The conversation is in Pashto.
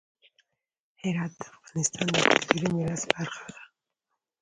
هرات د افغانستان د کلتوري میراث برخه ده.